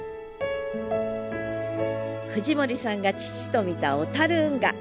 藤森さんが父と見た小運河。